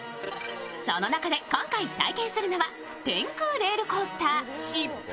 その中で今回体験するのは天空レールコースター疾風。